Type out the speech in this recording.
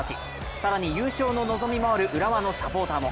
更に優勝の望みもある浦和のサポーターも。